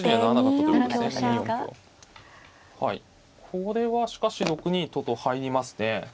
これはしかし６二とと入りますね。